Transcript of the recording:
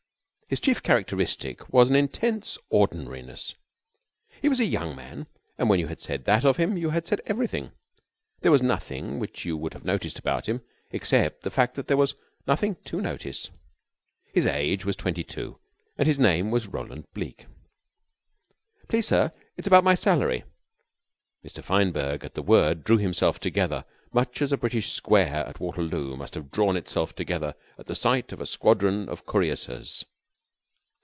His chief characteristic was an intense ordinariness. He was a young man; and when you had said that of him you had said everything. There was nothing which you would have noticed about him, except the fact that there was nothing to notice. His age was twenty two and his name was Roland Bleke. "Please, sir, it's about my salary." Mr. Fineberg, at the word, drew himself together much as a British square at Waterloo must have drawn itself together at the sight of a squadron of cuirassiers.